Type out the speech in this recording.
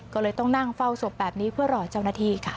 ก็เลยต้องนั่งเฝ้าศพแบบนี้เพื่อรอเจ้าหน้าที่ค่ะ